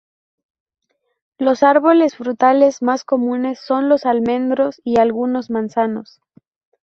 Los árboles frutales más comunes son los almendros y algunos manzanos.